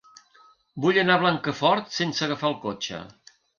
Vull anar a Blancafort sense agafar el cotxe.